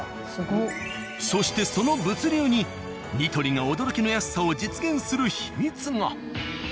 そしてその物流に「ニトリ」の驚きの安さを実現する秘密が。